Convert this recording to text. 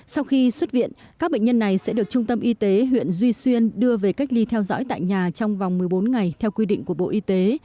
sau khi xuất viện các bệnh nhân này sẽ được trung tâm y tế huyện duy xuyên đưa về cách ly theo dõi tại nhà trong vòng một mươi bốn ngày theo quy định của bộ y tế